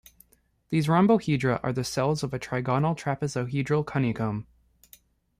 These rhombohedra are the cells of a trigonal trapezohedral honeycomb.